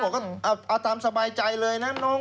ตอนนี้นางก็บอกตามสบายใจเลยนะน้อง